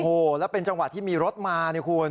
โอ้โหแล้วเป็นจังหวะที่มีรถมาเนี่ยคุณ